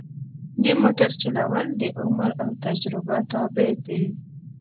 د موټر چلول د عمر او تجربه تابع دي.